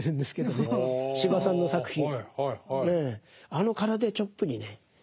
あの空手チョップにね